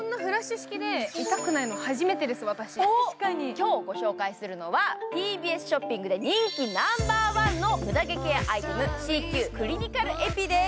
今日ご紹介するのは、ＴＢＳショッピングで人気ナンバーワンのムダ毛ケアアイテムです。